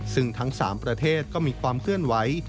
ซึ่งทั้ง๓ประเทศก็มีความเคลื่อนไหว